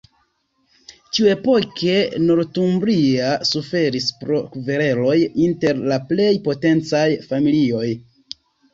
Tiuepoke Northumbria suferis pro kvereloj inter la plej potencaj familioj.